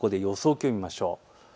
気温を見ましょう。